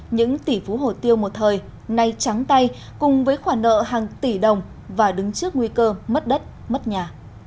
những tỷ phú hổ tiêu một thời nay trắng tay cùng với khoản nợ hàng tỷ đồng và đứng trước nguy cơ mất đất mất nhà